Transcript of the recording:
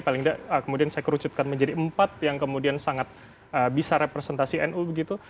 paling tidak kemudian saya kerucutkan menjadi empat yang kemudian sangat bisa representasi nu begitu